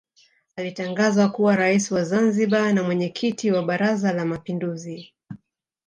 Alitangazwa kuwa Rais wa Zanzibar na Mwenyekiti wa Baraza la Mapinduzi